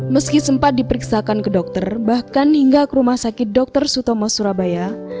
meski sempat diperiksakan ke dokter bahkan hingga ke rumah sakit dr sutomo surabaya